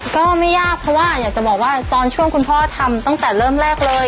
ก็ไม่ยากเพราะว่าอยากจะบอกว่าตอนช่วงคุณพ่อทำตั้งแต่เริ่มแรกเลย